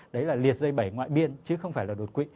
đấy là liệt dây bảy ngoại biên chứ không phải là đột quỵ